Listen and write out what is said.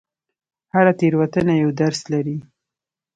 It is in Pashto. هره تېروتنه یو درس لري.